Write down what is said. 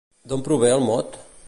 D'on prové el mot?